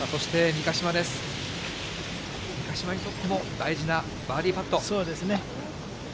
三ヶ島にとっても大事なバーディーパット。